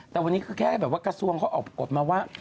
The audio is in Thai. แต่วันนี้ก็แค่กระทรวงออกกฎมาว่า